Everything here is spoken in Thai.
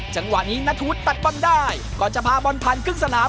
จังหวะนี้นัทธวุฒิตัดบอลได้ก่อนจะพาบอลผ่านครึ่งสนาม